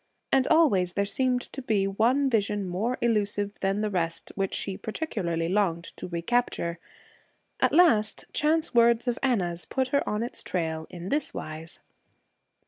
And always there seemed to be one vision more illusive than the rest which she particularly longed to recapture. At last, chance words of Anna's put her on its trail in this wise.